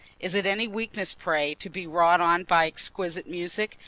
Is it any weakness, pray, to be wrought on by exquisite music?